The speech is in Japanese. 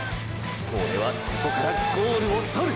オレはここからゴールを獲る！！